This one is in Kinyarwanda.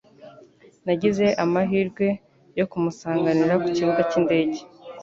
Nagize amahirwe yo kumusanganira ku kibuga cy'indege.